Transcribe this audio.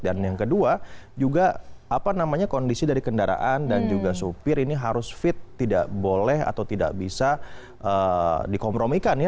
dan yang kedua juga apa namanya kondisi dari kendaraan dan juga supir ini harus fit tidak boleh atau tidak bisa dikompromikan ya